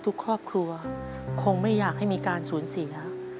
ทุกครอบครัวคงไม่อยากให้มีการสูญเสีย